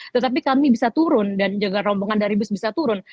tetapi kami bisa turun dan juga rombongan dari bus bisa turun